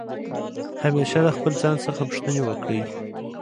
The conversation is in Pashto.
همېشه د خپل ځان څخه پوښتني وکړئ.